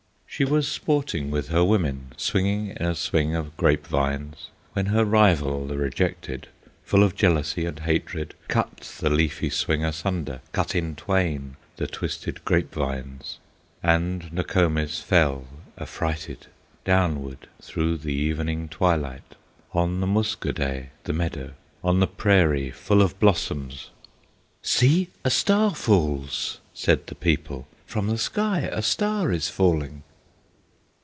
She was sporting with her women, Swinging in a swing of grape vines, When her rival the rejected, Full of jealousy and hatred, Cut the leafy swing asunder, Cut in twain the twisted grape vines, And Nokomis fell affrighted Downward through the evening twilight, On the Muskoday, the meadow, On the prairie full of blossoms. "See! a star falls!" said the people; "From the sky a star is falling!"